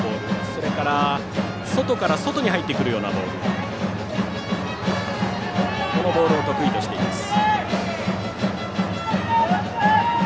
それから、外から外に入ってくるようなボールそういうボールを得意としています。